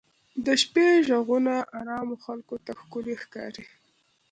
د شپې ږغونه ارامو خلکو ته ښکلي ښکاري.